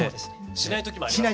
しない時もあります。